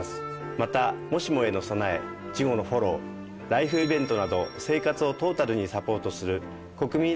またもしもへの備え事後のフォローライフイベントなど生活をトータルにサポートするこくみん